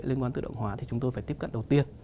liên quan tự động hóa thì chúng tôi phải tiếp cận đầu tiên